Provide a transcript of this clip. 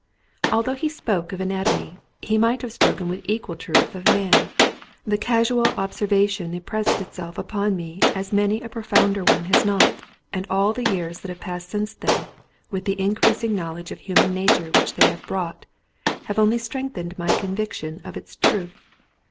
And though he spoke of anatomy he might have spoken with equal truth of man. The casual ob servation impressed itself upon me as many a pro founder one has not and all the years that have passed since then, with the increasing knowledge of human nature which they have brought, have only strengthened my conviction of its truth.